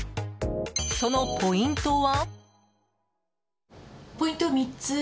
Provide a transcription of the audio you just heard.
そのポイントは？